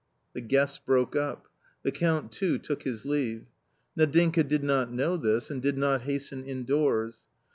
The guests broke up. The Count too took his leave. Nadinka did not know this, and did not hasten indoors.